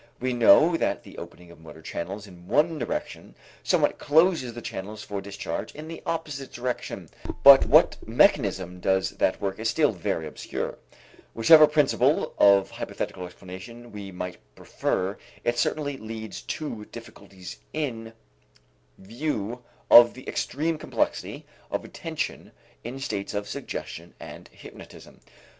We know that the opening of motor channels in one direction somewhat closes the channels for discharge in the opposite direction, but what mechanism does that work is still very obscure. Whichever principle of hypothetical explanation we might prefer, it certainly leads to difficulties in view of the extreme complexity of attention in states of suggestion and hypnotism.